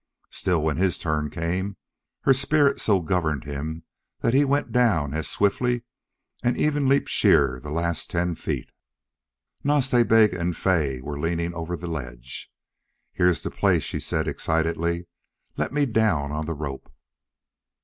Still, when his turn came, her spirit so governed him that he went down as swiftly, and even leaped sheer the last ten feet. Nas Ta Bega and Fay were leaning over the ledge. "Here's the place," she said, excitedly. "Let me down on the rope."